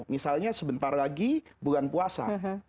misalnya sebentar lagi bulan puasa